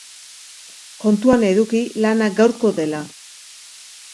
Kontuan eduki lana gaurko dela.